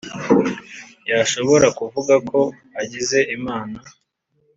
yashobora kuvuga ko agize Imana.